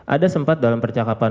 ada sempat dalam percakapan